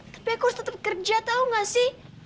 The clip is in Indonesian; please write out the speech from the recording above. tapi aku harus tetap kerja tau gak sih